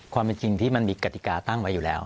ความเป็นจริงที่มันมีกติกาตั้งไว้อยู่แล้ว